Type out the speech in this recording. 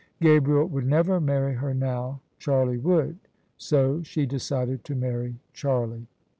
Gabriel would never marry her now: Charlie would: so she decided to marry Charlie.